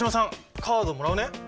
カードもらうね。